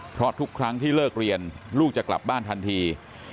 เพราะทุกครั้งที่เลิกเรียนลูกจะกลับบ้านทันที